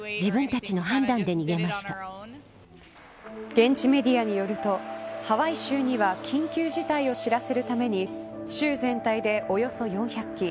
現地メディアによるとハワイ州には緊急事態を知らせるために州全体でおよそ４００基